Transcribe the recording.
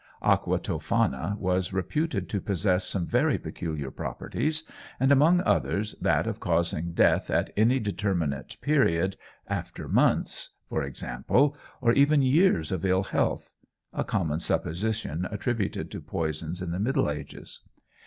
Aqua Toffana was reputed to possess some very peculiar properties, and, among others, that of causing death at any determinate period, after months, for example, or even years of ill health (a common supposition attributed to poisons in the Middle Ages).